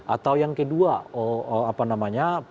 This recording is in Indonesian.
atau yang kedua apa namanya